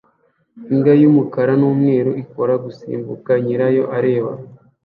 Imbwa y'umukara n'umweru ikora gusimbuka nyirayo areba